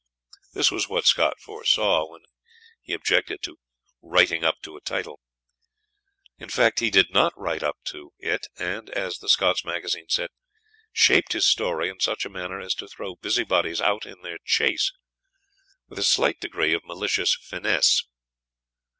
This was what Scott foresaw when he objected to "writing up to a title." In fact, he did not write up to, it, and, as the "Scots Magazine" said, "shaped his story in such a manner as to throw busybodies out in their chase, with a slight degree of malicious finesse."